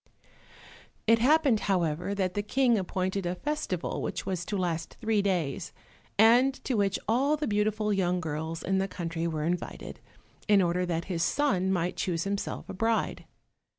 It happened, however, that the King appointed a festival which was to last three days, and to which all the beautiful young girls in the country were invited, in order that his son might choose himself a bride.